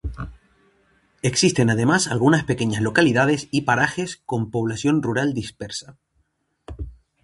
Existen además algunas pequeñas localidades y parajes con población rural dispersa.